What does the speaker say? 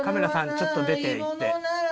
ちょっと出ていって。